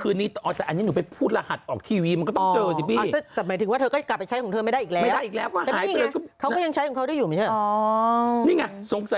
คุณแม่หนูจะรู้ใช่ไงคนนี้